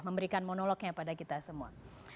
memberikan monolognya pada kita semua